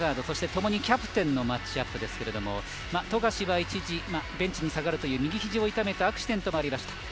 そして、ともにキャプテンのマッチアップですけども富樫は一時、ベンチに下がるという右肘を痛めたアクシデントもありました。